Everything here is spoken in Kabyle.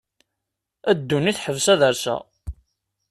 A ddunit ḥbes ad rseɣ.